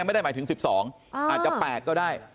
ไม่ถึง๑๒อาจจะ๘ก็ได้